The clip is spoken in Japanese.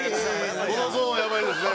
このゾーンやばいですね。